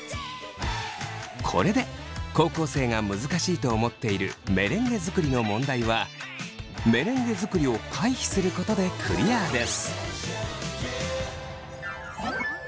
これで高校生が難しいと思っているメレンゲ作りの問題はメレンゲ作りを回避することでクリアです。